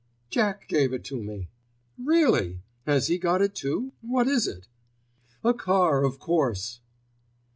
"Jack gave it to me." "Really? Has he got it too? What is it?" "A car, of course!"